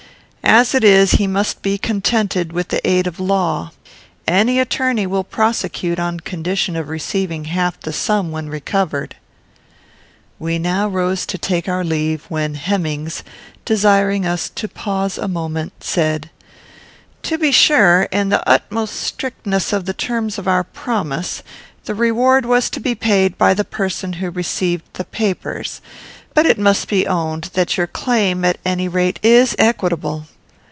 As it is, he must be contented with the aid of law. Any attorney will prosecute on condition of receiving half the sum when recovered." We now rose to take our leave, when Hemmings, desiring us to pause a moment, said, "To be sure, in the utmost strictness of the terms of our promise, the reward was to be paid by the person who received the papers; but it must be owned that your claim, at any rate, is equitable.